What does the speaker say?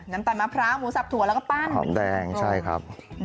ข้างบัวแห่งสันยินดีต้อนรับทุกท่านนะครับ